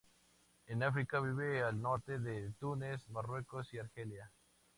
En África vive al norte de Túnez, Marruecos y Argelia.